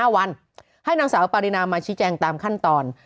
๕วันให้นางสาวปารินามาชี้แจงตามขั้นตอน